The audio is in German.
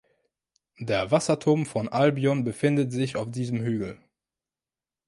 Der Wasserturm von Albion befindet sich auf diesem Hügel.